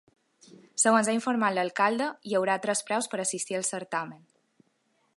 Segons ha informat l’alcalde, hi haurà tres preus per assistir al certamen.